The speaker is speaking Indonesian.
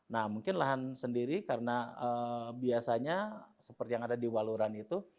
nah mungkin lahan sendiri karena biasanya seperti yang ada di waluran itu